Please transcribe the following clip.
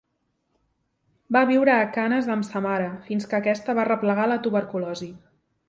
Va viure a Canes amb sa mare, fins que aquesta va arreplegar tuberculosi.